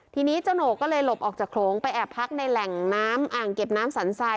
ทีนี้เจ้าโหนกก็เลยหลบออกจากโลงไปแอบพักในแหล่งน้ำอ่างเก็บน้ำสันทราย